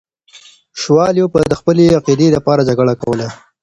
شوالیو به د خپلې عقیدې لپاره جګړه کوله.